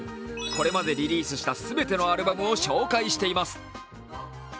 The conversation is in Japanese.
これまでリリースした全てのアルバムを紹介しています。